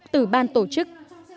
từ ban tổ chức